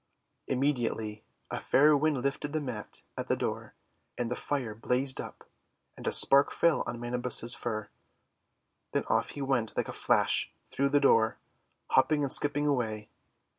Immediately a fair Wind lifted the mat at the door, and the Fire blazed up, and a spark fell on Manabus's fur. Then off he went like a flash through the door, hopping and skipping away.